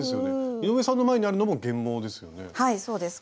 井上さんの前にあるのも原毛ですよね？